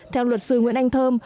theo luật sư nguyễn anh thơm